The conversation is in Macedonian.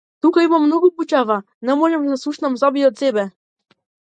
Тука има многу бучава, не можам да се слушнам самиот себе.